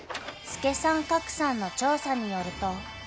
［助さん格さんの調査によると］